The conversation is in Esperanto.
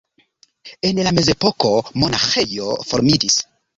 En la mezepoko monaĥejo formiĝis.